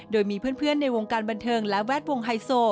โดยมีเพื่อนในวงการบันเทิงและแวดวงไฮโซ